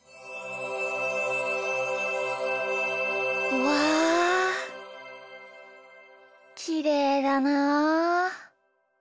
うわきれいだな。